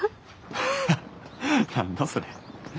ハハッ何だそれ。